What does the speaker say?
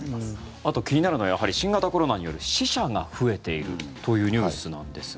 あと、気になるのはやはり新型コロナによる死者が増えているというニュースなんですが。